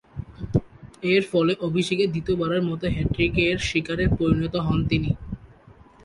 এরফলে অভিষেকে দ্বিতীয়বারের মতো হ্যাট্রিকের শিকারে পরিণত হন তিনি।